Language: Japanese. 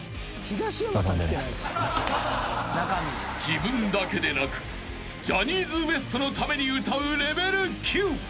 ［自分だけでなくジャニーズＷＥＳＴのために歌うレベル９］